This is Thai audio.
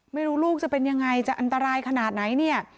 ลูกจะเป็นยังไงจะอันตรายขนาดไหนเนี่ย